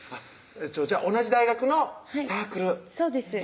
じゃあ同じ大学のサークルそうです